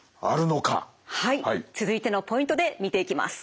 はい続いてのポイントで見ていきます。